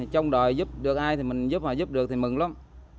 trong đời giúp được ai thì mình giúp họ giúp được thì mừng lắm